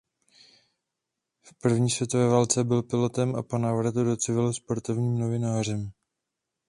V první světové válce byl pilotem a po návratu do civilu sportovním novinářem.